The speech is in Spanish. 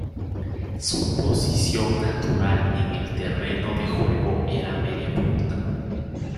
Su posición natural en el terreno de juego era mediapunta.